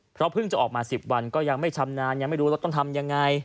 เพราะเพิ่งจะออกมา๑๐วันก็ยังไม่ชำนาญยังไม่รู้รถต้องทำยังไง